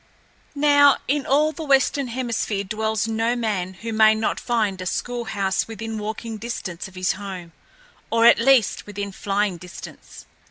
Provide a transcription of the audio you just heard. Now, in all the Western Hemisphere dwells no man who may not find a school house within walking distance of his home, or at least within flying distance.